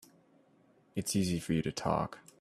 It's easy for you to talk.